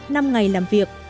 năm ngày làm việc